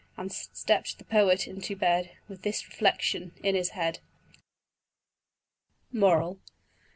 Then stepp'd the poet into bed With this reflection in his head: MORAL.